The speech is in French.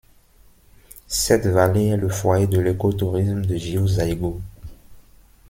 Cette vallée est le foyer de l'écotourisme de Jiuzhaigou.